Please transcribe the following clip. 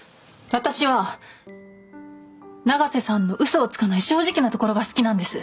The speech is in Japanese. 私は永瀬さんの嘘をつかない正直なところが好きなんです。